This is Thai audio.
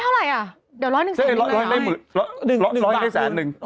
สินะ๑๐๐ได้หมื่นร้อยได้สารนึง